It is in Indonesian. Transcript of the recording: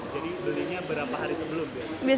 jadi belinya berapa hari sebelum